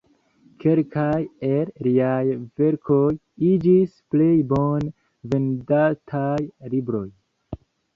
Kelkaj el liaj verkoj iĝis plej bone vendataj libroj.